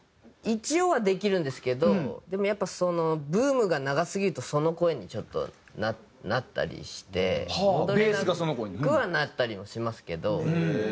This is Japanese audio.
一応はできるんですけどでもやっぱそのブームが長すぎるとその声にちょっとなったりして戻れなくはなったりもしますけどなんとなく。